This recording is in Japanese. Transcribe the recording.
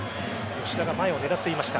吉田が前を狙っていました。